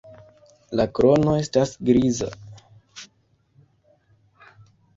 La krono estas griza.